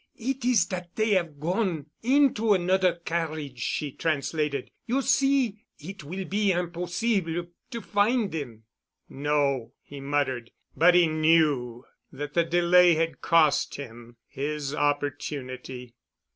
"It is dat dey have gone into anoder carriage," she translated. "You see. It will be impossible to find dem." "No," he muttered, but he knew that the delay had cost him his opportunity.